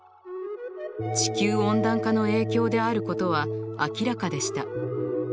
地球温暖化の影響であることは明らかでした。